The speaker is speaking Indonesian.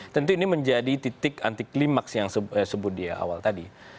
tentu ini menjadi titik anti klimaks yang sebut dia awal tadi